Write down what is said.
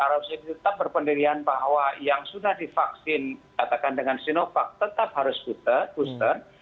ya kalau pun ternyata memang arab saudi tetap berpendirian bahwa yang sudah divaksin katakan dengan sinovac tetap harus booster